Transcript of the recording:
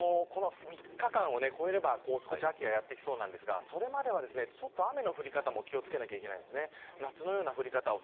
この３日間を超えれば少し秋がやってきそうなんですがそれまでは、雨の降り方も気を付けなければいけないんですね。